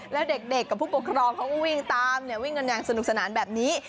แล้วเด็กกับผู้ปกครองเขาก็วิ่งตามวิ่งกันอย่างสนุกสนานแบบนี้